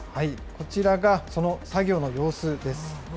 こちらがその作業の様子です。